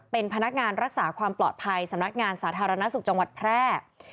เป็นพนักงานรักษาความปลอดภัยสำนักงานสาธารณสุขจังหวัดแพร่